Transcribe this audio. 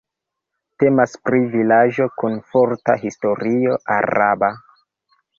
Temas pri vilaĝo kun forta historio araba.